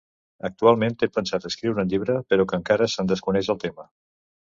Actualment té pensat escriure un llibre, però que encara se'n desconeix el tema.